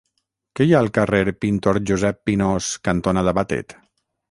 Què hi ha al carrer Pintor Josep Pinós cantonada Batet?